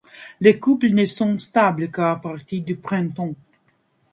Les couples ne sont stables qu'à partir du printemps.